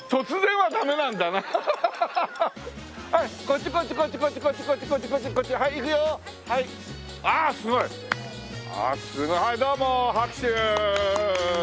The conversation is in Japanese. はいどうも拍手！